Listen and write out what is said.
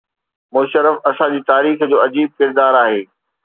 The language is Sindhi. مشرف اسان جي تاريخ جو عجيب ڪردار آهي.